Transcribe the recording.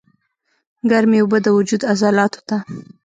ګرمې اوبۀ د وجود عضلاتو ته